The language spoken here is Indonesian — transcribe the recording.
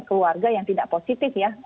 keluarga yang tidak positif ya